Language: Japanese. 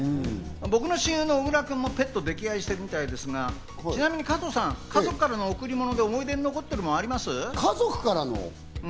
僕の親友の小倉君もペットを溺愛してるみたいですが、ちなみに加藤さん、家族からの贈り物で思い出に残っているものはあります？